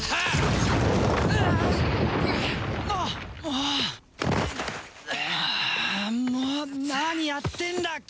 ああもう何やってんだ君は！